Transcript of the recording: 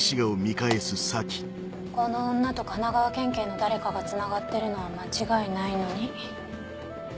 この女と神奈川県警の誰かがつながってるのは間違いないのに。